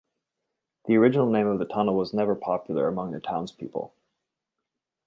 The original name of the tunnel was never popular among the townspeople.